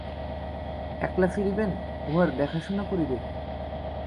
একলা ফিরিবেন, উঁহার দেখাশুনা করিবে কে?